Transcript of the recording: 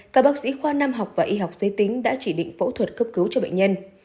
các bác sĩ khoa nam học và y học giới tính đã chỉ định phẫu thuật cấp cứu cho bệnh nhân